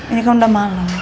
ini kan sudah malam